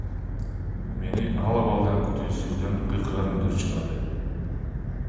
Мени ал абалдан күтүүсүздөн кыйкырган үндөр чыгарды.